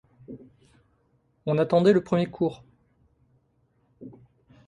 On attendait le premier cours.